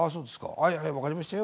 はいはい分かりましたよ。